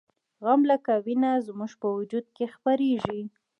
غم لکه وینه زموږ په وجود کې خپریږي